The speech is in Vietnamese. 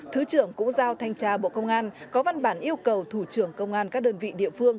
thứ trưởng cũng giao thanh tra bộ công an có văn bản yêu cầu thủ trưởng công an các đơn vị địa phương